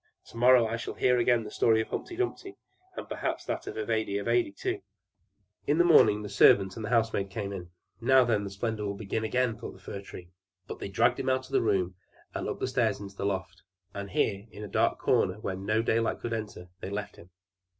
To morrow I shall hear again the story of Humpy Dumpy, and perhaps that of Ivedy Avedy too." And the whole night the Tree stood still and in deep thought. In the morning the servant and the housemaid came in. "Now then the splendor will begin again," thought the Fir. But they dragged him out of the room, and up the stairs into the loft: and here, in a dark corner, where no daylight could enter, they left him.